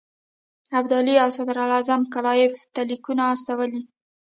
ابدالي او صدراعظم کلایف ته لیکونه استولي.